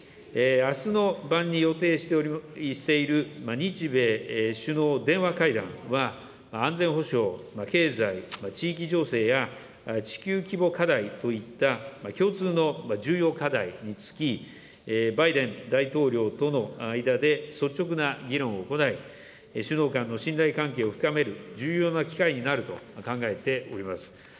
あすの晩に予定している、日米首脳電話会談は、安全保障、経済、地域情勢や地球規模課題といった、共通の重要課題につき、バイデン大統領との間で率直な議論を行い、首脳間の信頼関係を深める重要な機会になると考えております。